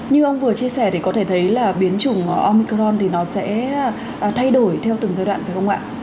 như ông vừa chia sẻ thì có thể thấy là biến chủng omicron thì nó sẽ thay đổi theo từng giai đoạn phải không ạ